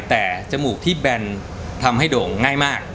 แต่จมูกที่แบนทำให้โด่งง่ายมาก